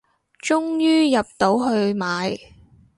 終於入到去買